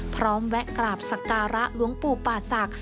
พร้อมแวะกราบสักการะล้วงปู่ป่าสัก